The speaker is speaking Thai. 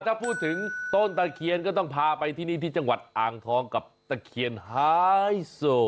ถ้าพูดถึงต้นตะเคียนก็ต้องพาไปที่นี่ที่จังหวัดอ่างทองกับตะเคียนไฮโซ